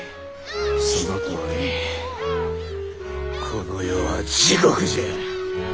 そのとおりこの世は地獄じゃ！